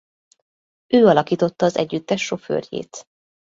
Ő alakította az együttes sofőrjét.